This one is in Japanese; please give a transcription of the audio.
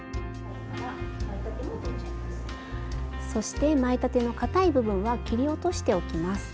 そして前立てのかたい部分は切り落としておきます。